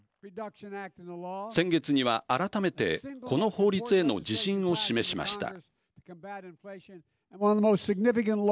先月には改めてこの法律への自信を示しました。